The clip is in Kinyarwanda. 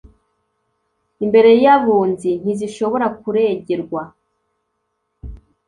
imbere y’ abunzi ntizishobora kuregerwa.